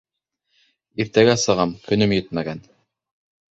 — Иртәгә сығам, көнөм етмәгән...